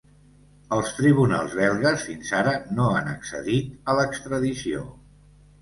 Els tribunals belgues fins ara no han accedit a l’extradició.